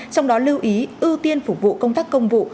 đồng ý ưu tiên phục vụ công tác công vụ